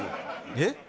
えっ？